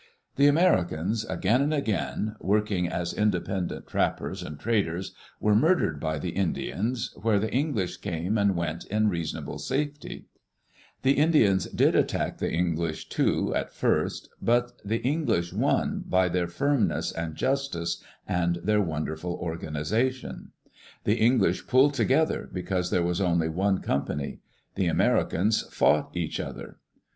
The Americans, again and again, working as independent trappers and traders, were murdered by the Indians, where the English came and went in reasonable safety. The Indians did attack the ^, Digitized by VjOOQ LC EARLY DAYS IN OLD OREGON English too, at first, but the English won by their firmness and justice and their wonderful organization. The Eng lish pulled together, because there was only one company. The Americans fought each other.